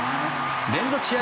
連続試合